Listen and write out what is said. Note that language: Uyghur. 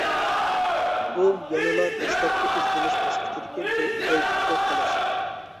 بۇ يەنىلا دەسلەپكى ئىزدىنىش باسقۇچىدىكى بىر ئوي-پىكىر، خالاس.